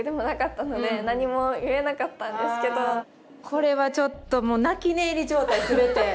これはちょっともう泣き寝入り状態全て。